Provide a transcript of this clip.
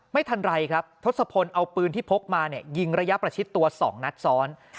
ไม่ทันไรครับทศพลเอาปืนที่พกมายิงระยะประชิดตัว๒นัดซ้อน